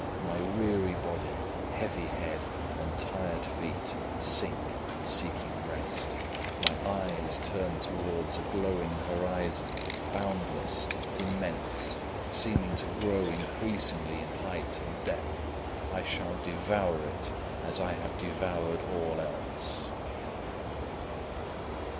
My weary body, heavy head, and tired feet, sink, seeking rest. My eyes turn towards a glowing horizon, boundless, immense, seeming to grow increasingly in height and depth. I shall devour it, as I have devoured all else.